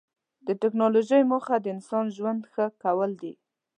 د ټکنالوجۍ موخه د انسان ژوند ښه کول دي.